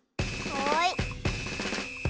はい。